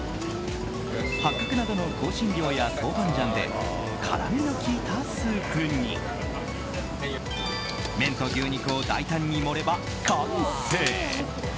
八角などの香辛料や豆板醤で辛みの効いたスープに麺と牛肉を大胆に盛れば完成。